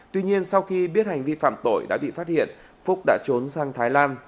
tuy nhiên sau khi biết hành vi phạm tội đã bị phát hiện phúc đã trốn sang thái lan